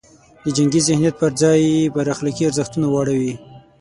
د جنګي ذهنیت پر ځای یې پر اخلاقي ارزښتونو واړوي.